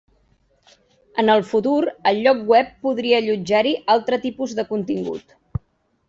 En el futur, el lloc web podria allotjar-hi altre tipus de contingut.